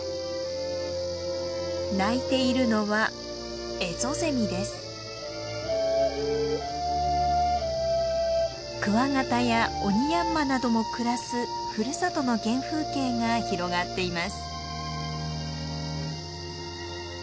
鳴いているのはクワガタやオニヤンマなども暮らすふるさとの原風景が広がっています。